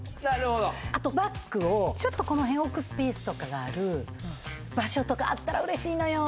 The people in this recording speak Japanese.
あとバッグをちょっとこの辺置くスペースとかがある場所とかあったら嬉しいのよ